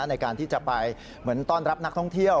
ในการที่จะไปเหมือนต้อนรับนักท่องเที่ยว